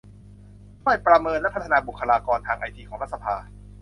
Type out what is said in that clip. ช่วยประเมินและพัฒนาบุคคลากรทางไอทีของรัฐสภา